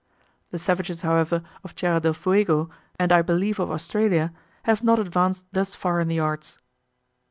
The savages, however, of Tierra del Fuego, and I believe of Australia, have not advanced thus far in the arts.